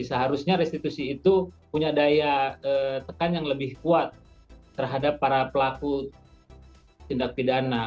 seharusnya restitusi itu punya daya tekan yang lebih kuat terhadap para pelaku tindak pidana